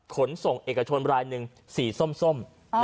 ขนส่งเอกชนรายหนึ่งสีส้ม